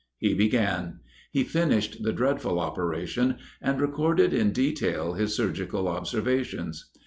He began he finished the dreadful operation, and recorded in detail his surgical observations.